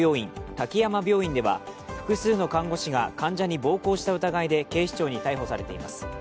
滝山病院では複数の看護師が患者に暴行した疑いで警視庁に逮捕されています。